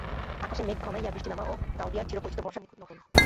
আকাশে মেঘ ঘনাইয়া বৃষ্টি নামা ও গাওদিয়ার চিরপরিচিত বর্ষার নিখুঁত নকল।